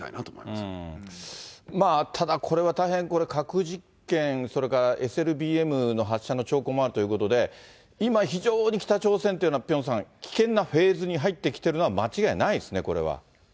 まあ、ただ、これは大変、核実験、それからＳＬＢＭの発射の兆候もあるということで、今非常に北朝鮮というのは、ピョンさん、危険なフェーズに入ってきてるのは間違いないですね、これは。